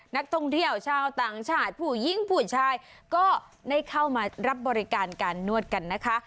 นักท่องเที่ยวชาวต่างชาติผู้หญิงผู้ชายก็ได้เข้ามารับบริการการนวดกันนะคะ